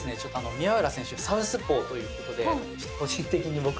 宮浦選手サウスポーということで個人的に僕左利きなので。